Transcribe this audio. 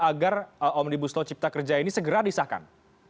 agar omnibus locipta kerja ini segera disahkan